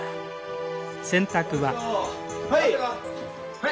はい。